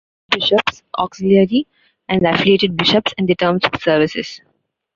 The lists of archbishops, auxiliary and affiliated bishops and their terms of service.